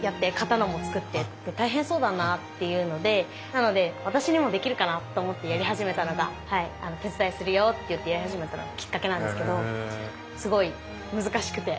なので私にもできるかなと思ってやり始めたのが手伝いするよって言ってやり始めたのがきっかけなんですけどすごい難しくて。